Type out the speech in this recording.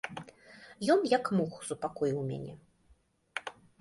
Ён, як мог, супакоіў мяне.